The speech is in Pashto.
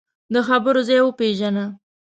د خبرو ځای وپېژنه